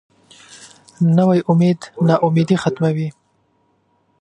نوی امید نا امیدي ختموي